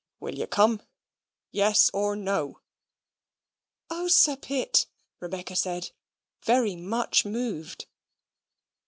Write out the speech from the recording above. Will you come? Yes or no?" "Oh, Sir Pitt!" Rebecca said, very much moved.